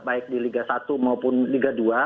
baik di liga satu maupun liga dua